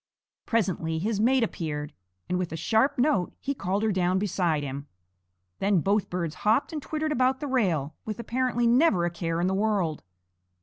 Presently his mate appeared, and with a sharp note he called her down beside him. Then both birds hopped and twittered about the rail, with apparently never a care in the world.